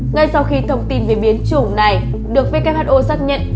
ngay sau khi thông tin về biến chủng này được who xác nhận